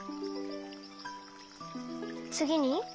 つぎに？